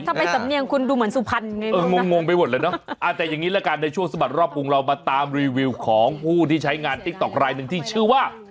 ทำไมสำเนียงคุณดูเหมือนสุพรรณไงเอองงงไปหมดเลยเนอะแต่อย่างนี้ละกันในช่วงสะบัดรอบกรุงเรามาตามรีวิวของผู้ที่ใช้งานติ๊กต๊อกรายหนึ่งที่ชื่อว่า